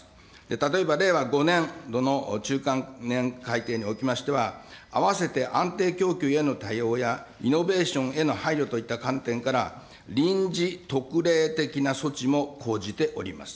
例えば令和５年度の中間年改定におきましては、あわせて安定供給への対応やイノベーションへの配慮といった観点から、臨時特例的な措置も講じております。